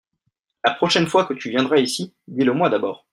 La prochaine fois que tu viendras ici, dis le mois d'abord.